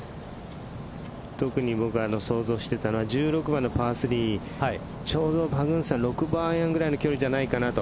特に僕が想像していたのは１６番のパー３ちょうどパグンサン６番アイアンぐらいの距離じゃないかなと。